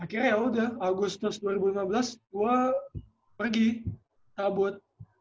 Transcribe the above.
akhirnya yaudah agustus dua ribu lima belas gue pergi cabut